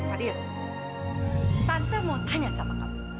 adil tante mau tanya sama kamu